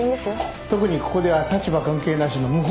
特にここでは立場関係なしの無法地帯。